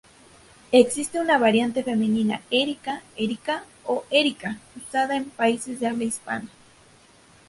Existe una variante femenina Erica, Erika o Érica, usada en países de habla hispana.